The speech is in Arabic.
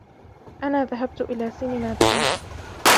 أنا ذهبت إلى سينما بالأمس